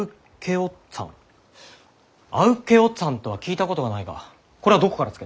「ａｗｋｅｏｔｓａｎｇ」とは聞いたことがないがこれはどこから付けた？